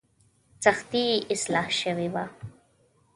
سختي یې اصلاح شوې وه.